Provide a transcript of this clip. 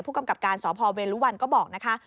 กำกับการสพเวลุวันก็บอกนะคะ